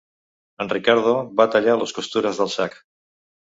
En Ricardo va tallar les costures del sac.